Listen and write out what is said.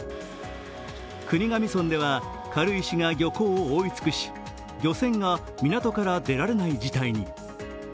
国頭村では、軽石が漁港を覆い尽くし漁船が港から出られない事態に。